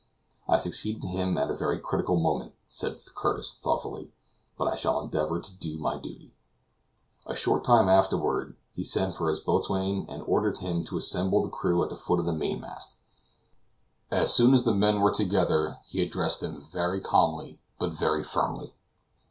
"I succeeded him at a very critical moment," said Curtis thoughtfully; "but I shall endeavor to do my duty." A short time afterward he sent for his boatswain and ordered him to assemble the crew at the foot of the main mast. As soon as the men were together, he addressed them very calmly, but very firmly.